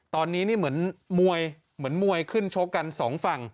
ตอนนี้มันเหมือนมวยขึ้นโชกกันสองฝั่ง